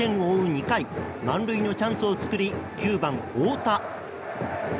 ２回満塁のチャンスを作り９番、太田。